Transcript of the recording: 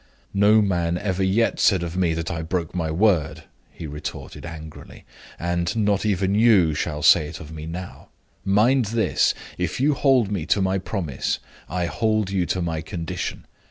"No man ever yet said of me that I broke my word," he retorted, angrily; "and not even you shall say it of me now. Mind this! If you hold me to my promise, I hold you to my condition.